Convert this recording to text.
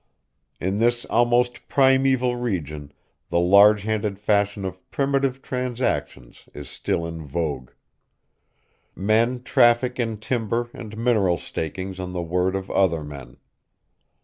In this almost primeval region the large handed fashion of primitive transactions is still in vogue. Men traffic in timber and mineral stakings on the word of other men.